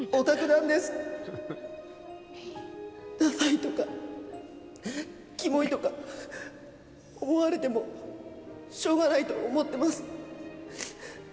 ダサいとかキモいとか思われてもしょうがないと思ってます。